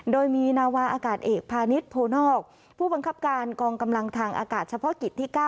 โดยมีนาวาอากาศเอกพาณิชยโพนอกผู้บังคับการกองกำลังทางอากาศเฉพาะกิจที่๙